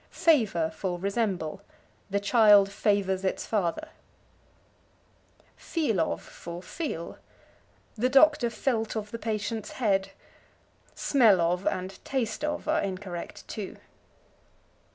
Favor for Resemble. "The child favors its father." Feel of for Feel. "The doctor felt of the patient's head." "Smell of" and "taste of" are incorrect too.